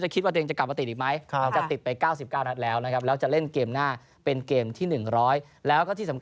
ความทรงจำชีวิตของเขา